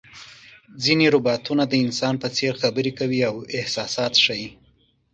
ځینې روباټونه د انسان په څېر خبرې کوي او احساسات ښيي.